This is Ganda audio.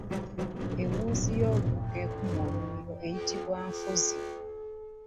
Ewuzi y’olubugo ekuuma omuliro eyitibwa Nfuuzi.